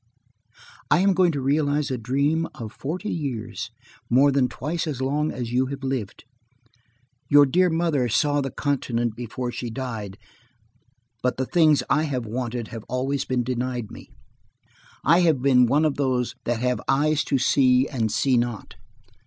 "I am going to realize a dream of forty years–more than twice as long as you have lived. Your dear mother saw the continent before she died, but the things I have wanted have always been denied me. I have been of those that have eyes to see and see not.